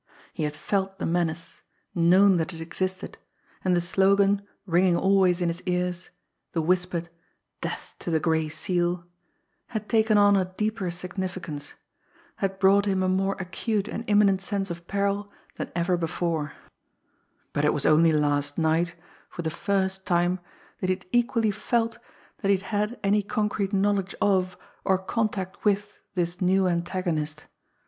He had felt the menace, known that it existed, and the slogan ringing always in his ears, the Whispered "Death to the Gray Seal" had taken on a deeper significance, had brought him a more acute and imminent sense of peril than ever before; but it was only last night, for the first time, that he had equally felt that he had had any concrete knowledge of, or contact with this new antagonist.